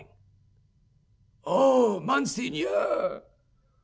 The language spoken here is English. "Oh! Monseigneur!"